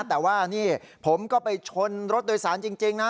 แต่ว่านี่ผมก็ไปชนรถโดยสารจริงนะ